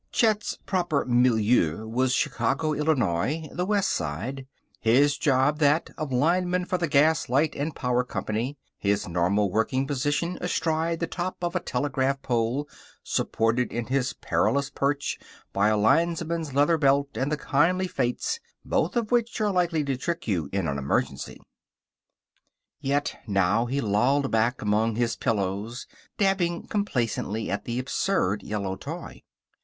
Chet's proper milieu was Chicago, Illinois (the West Side); his job that of lineman for the Gas, Light & Power Company; his normal working position astride the top of a telegraph pole, supported in his perilous perch by a lineman's leather belt and the kindly fates, both of which are likely to trick you in an emergency. Yet now he lolled back among his pillows, dabbing complacently at the absurd yellow toy.